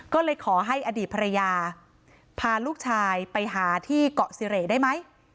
ก็เลยขอให้อดีตภรรยาพาลูกชายไปหาที่เกาะเสร่ได้ไหม